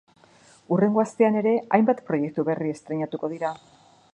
Hurrengo astean ere hainbat proiektu berri estreinatuko dira.